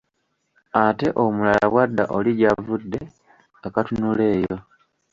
Ate omulala bw'adda oli gy'avudde, nga katunula eyo.